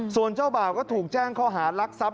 ส่วนเจ้าเบ่าก็ถูกแจ้งเขาหารักษัพ